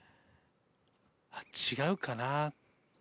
あっ、違うかな。